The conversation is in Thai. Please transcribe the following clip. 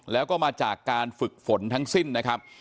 แล้วก็มาจากการฝึกฝนทั้งสิ้นนะครับ